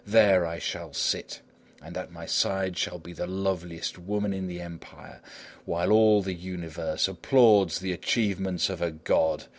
There I shall sit, and at my side shall be the loveliest woman in the empire, while all the universe applauds the achievements of a god!